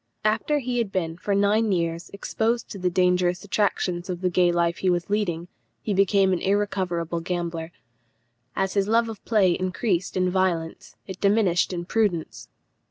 After he had been for nine years exposed to the dangerous attractions of the gay life he was leading, he became an irrecoverable gambler. As his love of play increased in violence, it diminished in prudence.